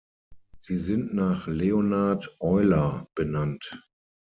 Sie sind nach Leonhard Euler benannt.